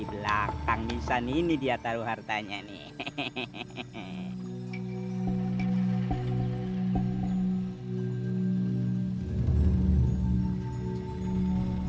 di belakang misan ini dia taruh hartanya nih